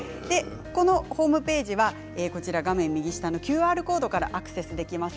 このホームページは画面右下のＱＲコードからアクセスできます。